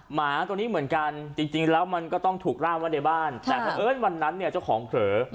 หมาตัวนี้เหมือนกันจริงแล้วมันก็ต้องถูกร่ามไว้ในบ้านแต่เพราะเอิ้นวันนั้นเนี่ยเจ้าของเผลอ